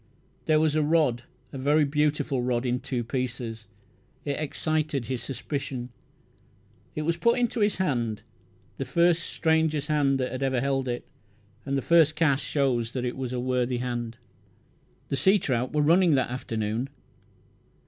There was a rod a very beautiful rod in two pieces. It excited his suspicion. It was put into his hand, the first stranger hand that ever held it; and the first cast showed that it was a worthy hand. The sea trout were running that afternoon.